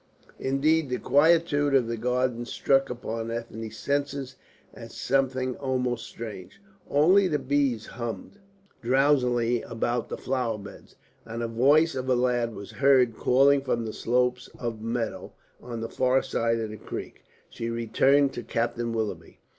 Indeed the quietude of the garden struck upon Ethne's senses as something almost strange. Only the bees hummed drowsily about the flowerbeds, and the voice of a lad was heard calling from the slopes of meadow on the far side of the creek. She returned to Captain Willoughby.